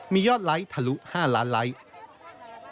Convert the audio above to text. มียอดไลค์ทะลุ๕ล้านไลค์